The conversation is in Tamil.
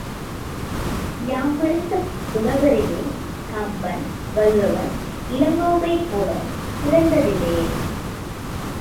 யாமறிந்த புலவரிலே கம்பன், வள்ளுவர், இளங்கோவைப்போல் பிறந்ததில்லை.